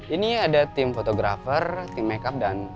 ini ada tim photographer team make up dan